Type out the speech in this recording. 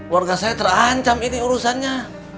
warga saya terancam ini urusannya